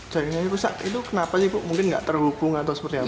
jaringannya rusak itu kenapa sih bu mungkin nggak terhubung atau seperti apa